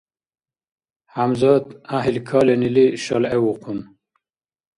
ХӀямзат, гӀяхӀил кален или, шалгӀевухъун.